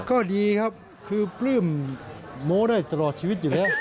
ก็ดีครับคือปลื้มโม้ได้ตลอดชีวิตอยู่แล้ว